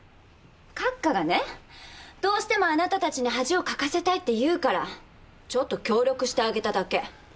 閣下がねどうしてもあなたたちに恥をかかせたいって言うからちょっと協力してあげただけ。